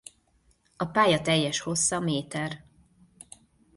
A pálya teljes hossza méter.